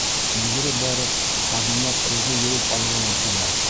Йүгереп барып, һабынлап ҡулды йыуып алғы ла килә.